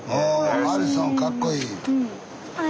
ハリソンかっこいい。